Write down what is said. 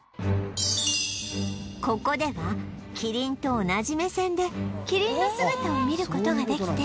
ここではキリンと同じ目線でキリンの姿を見る事ができて